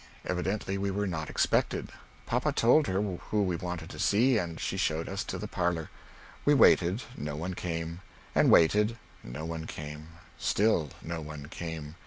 Evidently we were not expected. Papa told her who we wanted to see and she showed us to the parlor. We waited, no one came; and waited, no one came, still no one came.